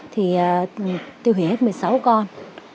thì tiêu hủy hết một mươi sáu con